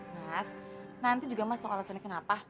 mas nanti juga mas mau alasannya kenapa